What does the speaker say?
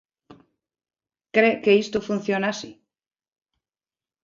¿Cre que isto funciona así?